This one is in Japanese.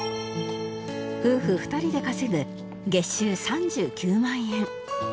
夫婦２人で稼ぐ月収３９万円